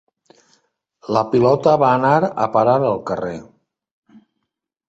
La pilota va anar a parar al carrer.